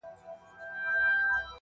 ژوند چي د عقل په ښکلا باندې راوښويدی~